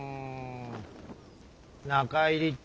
中入りっ